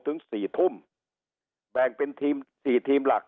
ถึง๔ทุ่มแบ่งเป็นทีมสี่ทีมหลัก